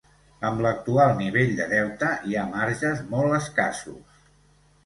Amb l’actual nivell de deute, hi ha marges molt escassos.